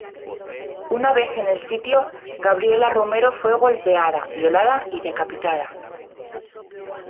Una vez en el sitio, Gabriela Romero fue golpeada, violada y decapitada.